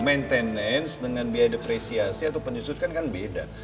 maintenance dengan biaya depreciasi atau penyusutan kan beda